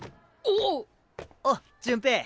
おっ潤平。